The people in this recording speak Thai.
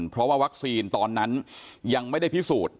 เพราะว่าวัคซีนตอนนั้นยังไม่ได้พิสูจน์